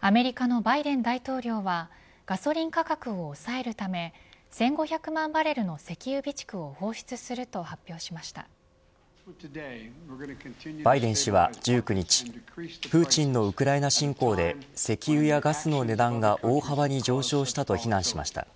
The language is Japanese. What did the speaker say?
アメリカのバイデン大統領はガソリン価格を抑えるため１５００万バレルの石油備蓄を放出するとバイデン氏は１９日プーチンのウクライナ侵攻で石油やガスの値段が大幅に上昇したと非難しました。